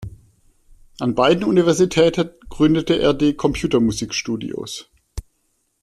An beiden Universitäten gründete er die Computermusik-Studios.